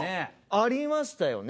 ありましたよね？